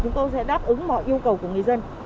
chúng tôi sẽ đáp ứng mọi yêu cầu của người dân